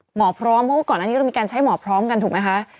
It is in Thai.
หมอพร้อมเพราะว่าก่อนอันนี้เรามีการใช้หมอพร้อมกันถูกไหมคะ